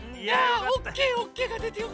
オーケーオーケーがでてよかった。